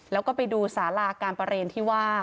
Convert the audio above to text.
แล้วก็ไปดูสาราการประเรียนที่ว่า